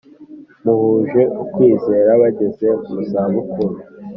Muhuje ukwizera bageze mu zabukuru